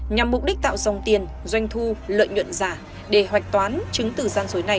nhằm mục đích tạo dòng tiền doanh thu lợi nhuận giả để hoạch toán chứng từ gian dối này